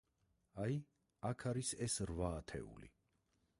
აი, აქ არის ეს რვა ათეული.